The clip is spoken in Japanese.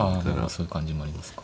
そういう感じもありますか。